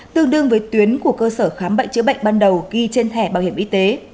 tương đương với tuyến của cơ sở khám bệnh chữa bệnh ban đầu ghi trên thẻ bảo hiểm y tế